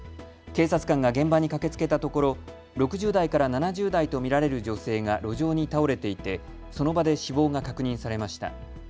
警察官が現場に駆けつけたところ６０代から７０代と見られる女性が路上に倒れていてその場で死亡が確認されました。